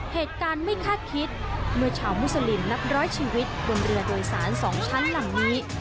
เหตุการณ์ไม่คาดคิดเมื่อชาวมุสลิมนับร้อยชีวิตบนเรือโดยสาร๒ชั้นหลังนี้